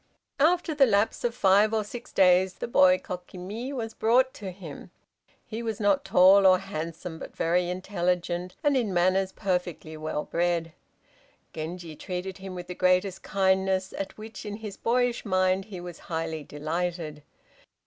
After the lapse of five or six days the boy Kokimi was brought to him. He was not tall or handsome but very intelligent, and in manners perfectly well bred. Genji treated him with the greatest kindness, at which, in his boyish mind, he was highly delighted.